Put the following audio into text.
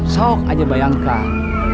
sok aja bayangkan